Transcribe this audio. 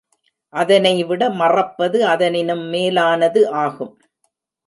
அதனைவிட மறப்பது அதனினும் மேலானது ஆகும்.